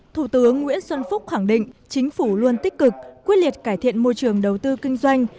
thủ tướng nguyễn xuân phúc khẳng định chính phủ luôn tích cực quyết liệt cải thiện môi trường đầu tư kinh doanh